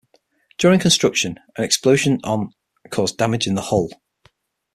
During construction, an explosion on caused damage in the hull.